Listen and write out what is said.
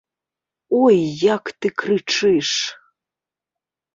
Ой, як ты крычыш!